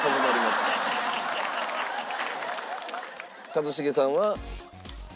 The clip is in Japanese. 一茂さんは。